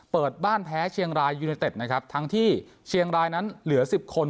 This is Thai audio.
เปิดบ้านแพ้เชียงรายยูเนเต็ดนะครับทั้งที่เชียงรายนั้นเหลือสิบคน